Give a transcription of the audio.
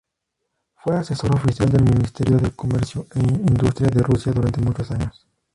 Fue asesor oficial del Ministerio de Comercio e Industria de Rusia durante muchos años.